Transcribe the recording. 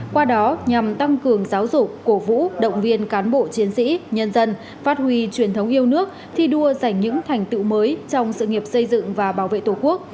qua đó nhằm tăng cường giáo dục cổ vũ động viên cán bộ chiến sĩ nhân dân phát huy truyền thống yêu nước thi đua giành những thành tựu mới trong sự nghiệp xây dựng và bảo vệ tổ quốc